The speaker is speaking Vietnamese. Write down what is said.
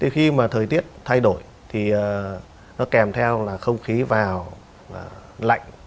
khi mà thời tiết thay đổi thì nó kèm theo là không khí vào lạnh